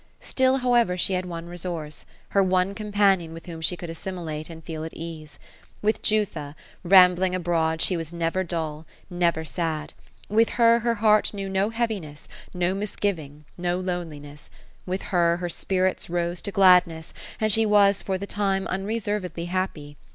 Still, however, she had one resource — her one companion, with whom she could assimilate, and feel at ease. With Jutha, rambling abroad, she was never dull, never sad ; with her, her heart knew no heaviness, no misgiving, no loneliness ; with her, her spirits rose to gladness, and she was, for the time, unreservedly happy.